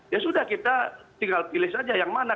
ya sudah kita tinggal pilih saja yang mana